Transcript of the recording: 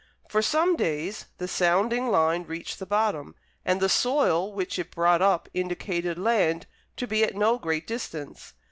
For some days the sounding line reached the bottom, and the soil which it brought up indicated land to be at no great distance.